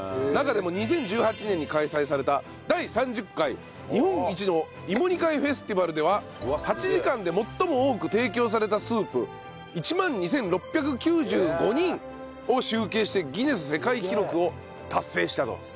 中でも２０１８年に開催された第３０回日本一の芋煮会フェスティバルでは８時間で最も多く提供されたスープ１万２６９５人を集計してギネス世界記録を達成したと。